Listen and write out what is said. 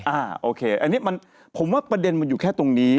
โอเคอันนี้ผมว่าประเด็นมันอยู่แค่ตรงนี้